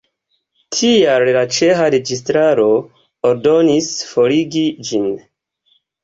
Tial la ĉeĥa registaro ordonis forigi ĝin.